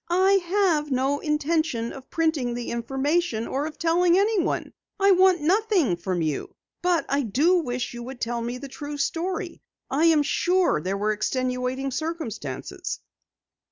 "I have no intention of printing the information, or of telling anyone. I want nothing from you. But I do wish you would tell me the true story. I am sure there were extenuating circumstances."